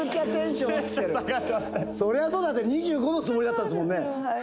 「そりゃそうだって２５のつもりだったんですもんね」